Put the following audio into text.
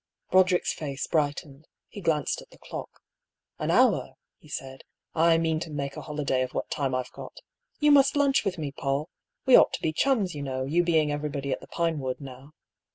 Roderick's face brightened. He glanced at the clock. " An hour !" he said. " I mean to make a holiday of what time I've got. You must lunch with me, Paull ! We ought to be chums, you know, you being everybody at the Pinewood now.